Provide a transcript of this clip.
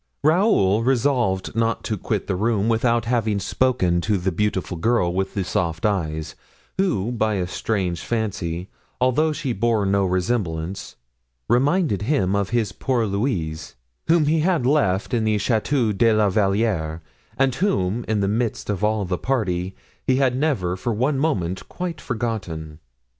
Raoul resolved not to quit the room without having spoken to the beautiful girl with the soft eyes, who by a strange fancy, although she bore no resemblance, reminded him of his poor little Louise, whom he had left in the Chateau de la Valliere and whom, in the midst of all the party, he had never for one moment quite forgotten.